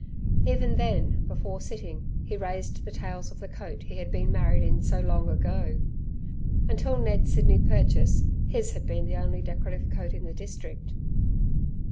Even then before sitting he raised the tails of the coat he had been married in so long ago. Until Ned's Sydney purchase his had been the only decorative coat in the district.